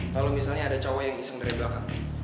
kalau misalnya ada cowok yang iseng dari belakang